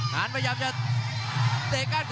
นานพยายามจะเตะก้านคอ